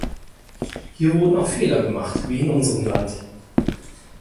Hier wurden auch Fehler gemacht, wie in unserem Land.